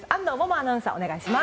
アナウンサーお願いします。